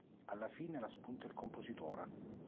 Alla fine la spunta il compositore.